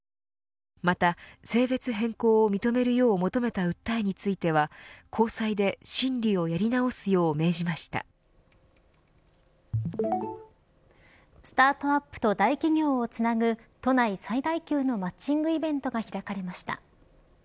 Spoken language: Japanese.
また、性別変更を認めるよう求めた訴えについては高裁で審理をやり直すようスタートアップと大企業をつなぐ都内最大級のマッチングイベントが開かれました。